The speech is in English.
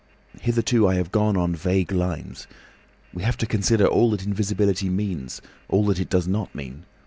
"Hitherto I have gone on vague lines. We have to consider all that invisibility means, all that it does not mean.